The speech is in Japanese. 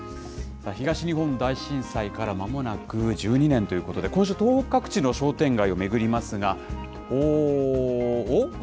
東日本大震災からまもなく１２年ということで、今週、東北各地の商店街を巡りますが、おー、おっ？